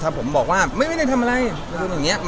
ถ้าผมบอกว่าไม่ได้ทำอะไร